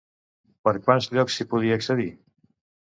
Per quants llocs s'hi podia accedir?